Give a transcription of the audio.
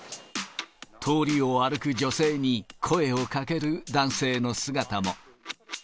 通りを歩く女性に、声をかける男性の姿も。